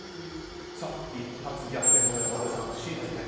一発逆転の山添さんＣですね。